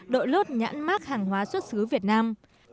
đội lốt nhãn mát hàng hóa xuất xứ việt nam